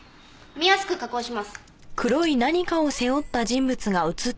見やすく加工します。